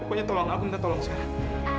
pokoknya tolong aku minta tolong sehat